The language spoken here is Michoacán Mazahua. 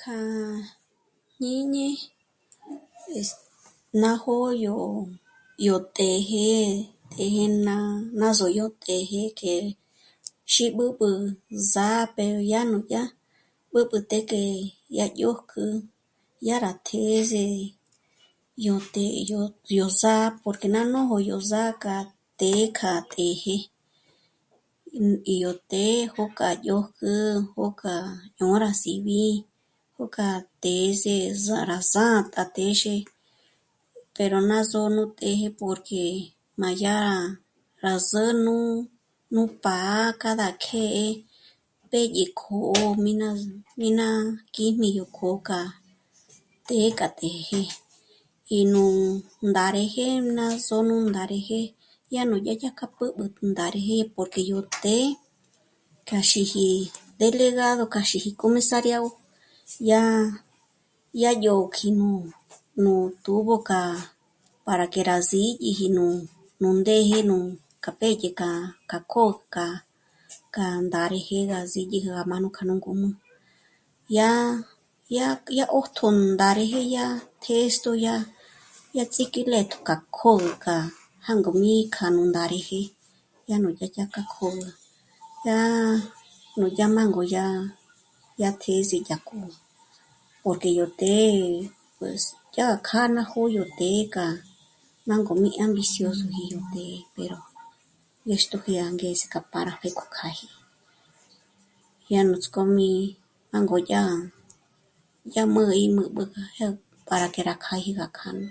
K'a jñíñi, es... ná jó'o yó... yó të̌jë, ndé ná zódyo të̌jë k'e xí b'ǚb'ü zà'a pero yá... núdyà b'ǚb'ü têk'e dyá dyójk'u, dyá rá těs'e yó të́'ë yó zà'a porque ná jó'o yó zá'a k'a të́'ë k'a të̌jë. Yó të́'ë gó k'a dyä̀jk'ä jókà ñô'o rá síb'i, jókà tês'e zà'a rá sā̂ntā à téxe pero ná só'o nú të̌jë porque má yá rá s'ä́n'u nú pá'a cada que pédye kjó'o mí ná... mí ná kjíjmi yó kjó'o k'a të́'ë k'a të̌jë í nú ndáreje ná só'o nú ndáreje dyá nú dyä̀'ä k'a b'ǚb'ü nú ndáreje porque yó të́'ë k'a xíji délegado k'a xíji comisariagö yá... yá yó kjí'i nú tubo k'a para que rá sídyiji nú... nú ndéje nù k'a pédye k'a... k'a k'ój k'a... k'a ndáreje gá sídyi já mánu k'a nú ngǔm'ü. Dyá, dyá yá 'ṓjtjō nú ndáreje yá tês'to yá, yá ts'ík'i né'e k'a kö̌gü k'a jângo mí kjâ'a nú ndáreje, dyá nú dyájkja jé' k'a ngó, yá núdyà jângo yá... yá tés'e yá kjâ'a porque yó të́'ë pues dyà kjâ'a ná jó'o k'ó yó të́'ë gá jango mí ambiciosoji të́'ë pero ñéxtjo ngé angeze k'a para dyákjo kjâji. Dyá nuts'k'ó mí jângo yá... yá mä̂'ä í m'ǚb'ü para que rá kjâji gá kjâ'a